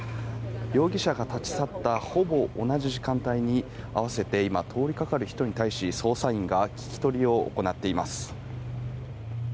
容疑者が立ち去ったほぼ同じ時間帯に合わせて今、通りかかる人に対し捜査員が聞き取りを行っています。